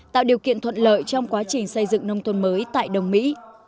tạo điều kiện thuận lợi trong quá trình xây dựng nông thuần mới tại đông mỹ